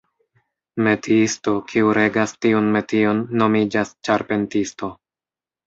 Metiisto, kiu regas tiun metion, nomiĝas ĉarpentisto.